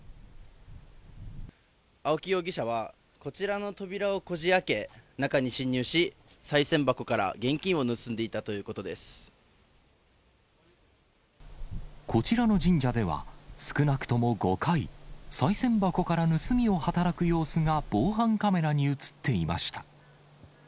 青木容疑者は、こちらの扉をこじ開け、中に侵入し、さい銭箱から現金を盗んでいこちらの神社では、少なくとも５回、さい銭箱から盗みを働く様子が防犯カメラに写っていました。